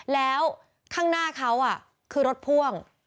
แล้วข้างหน้าเขาคือรถพ่วง